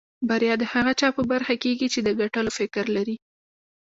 بريا د هغه چا په برخه کېږي چې د ګټلو فکر لري.